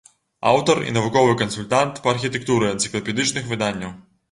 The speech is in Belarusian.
Аўтар і навуковы кансультант па архітэктуры энцыклапедычных выданняў.